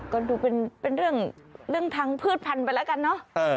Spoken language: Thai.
ก็ดูเป็นเรื่องทางพืชพันธุไปแล้วกันเนอะ